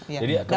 ya itu kan